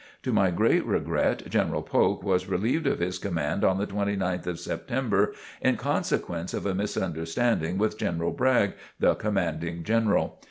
To my great regret, General Polk was relieved of his command on the 29th of September, in consequence of a misunderstanding with General Bragg, the Commanding General.